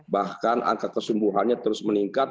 bahkan angka kesembuhannya terus meningkat